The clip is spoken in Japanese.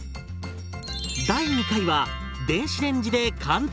第２回は電子レンジで簡単！